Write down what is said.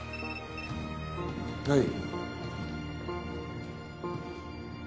はい。